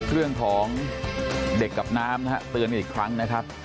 เรื่องของเด็กกับน้ำนะฮะเตือนกันอีกครั้งนะครับ